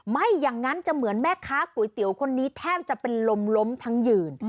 ไม่อย่างนั้นจะเหมือนแม่ค้าก๋วยเตี๋ยวคนนี้แทบจะเป็นลมล้มทั้งยืน